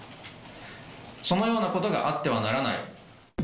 そのようなことがあってはならない。